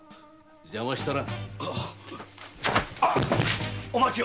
邪魔したな。